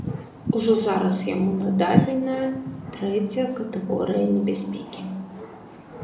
Ужо зараз яму нададзеная трэцяя катэгорыя небяспекі.